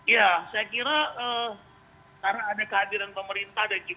ya saya kira karena ada kehadiran pemerintah